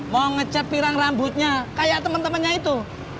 mau ngecat pirang rambutnya kayak temen temennya itu